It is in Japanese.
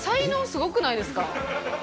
すごくないですか？